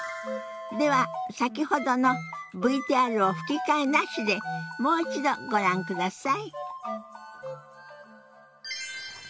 では先ほどのＶＴＲを吹き替えなしでもう一度ご覧ください。